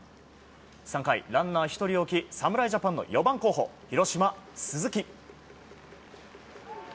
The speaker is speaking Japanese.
３回、ランナー１人を置き侍ジャパンの４番候補広島、鈴木。